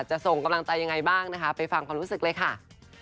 ส่งกำลังใจยังไงบ้างนะคะไปฟังความรู้สึกเลยค่ะ